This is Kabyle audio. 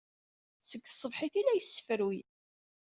Seg tṣebḥit ay la yessefruy.